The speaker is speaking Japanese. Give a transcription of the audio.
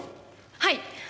はい！